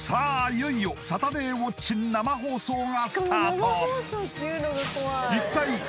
いよいよ「サタデーウォッチン！」生放送がスタート